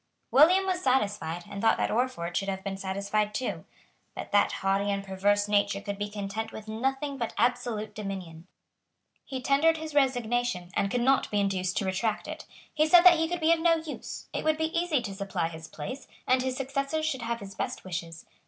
William was satisfied, and thought that Orford should have been satisfied too. But that haughty and perverse nature could be content with nothing but absolute dominion. He tendered his resignation, and could not be induced to retract it. He said that he could be of no use. It would be easy to supply his place; and his successors should have his best wishes.